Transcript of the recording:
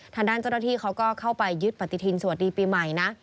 ทางด้านเจ้าหน้าที่เขาก็เข้าไปยึดปฏิทินสวัสดีปีใหม่นะ